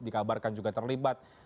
dikabarkan juga terlibat